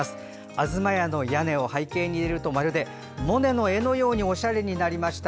東屋の屋根を背景に入れるとまるでモネの絵のようにおしゃれになりました。